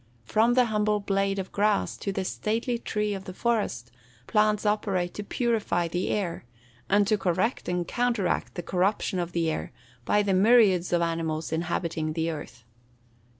From the humble blade of grass, to the stately tree of the forest, plants operate to purify the air, and to correct and counteract the corruption of the air, by the myriads of animals inhabiting the earth.